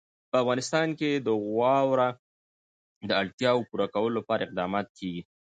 په افغانستان کې د واوره د اړتیاوو پوره کولو لپاره اقدامات کېږي.